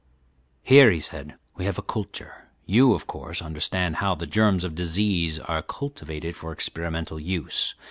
"Here," he said, "we have a culture. You, of course, understand how the germs of disease are cultivated for experimental use.